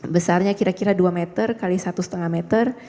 besarnya kira kira dua meter kali satu lima meter